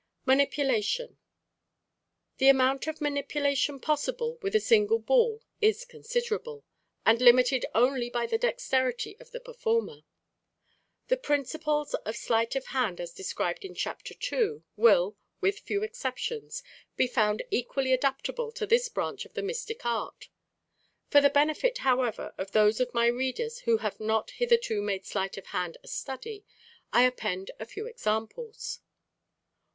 Manipulation.—The amount of manipulation possible with a single ball is considerable, and limited only by the dexterity of the performer. The principles of sleight of hand as described in Chapter II will, with few exceptions, be found equally adaptable to this branch of the mystic art. For the benefit, however, of those of my readers who have not hitherto made sleight of hand a study, I append a few examples.